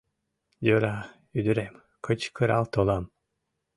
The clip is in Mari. Йӧра, ӱдырем, кычкырал толам!